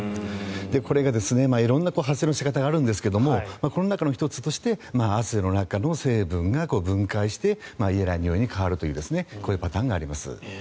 これが色んな発生の仕方があるんですがこの中の１つとして汗の成分が分解して嫌なにおいに変わるというパターンです。